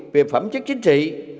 việc phẩm chức chính trị